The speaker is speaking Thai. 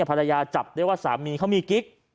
ภรรยาจับได้ว่าสามีเขามีกิ๊ก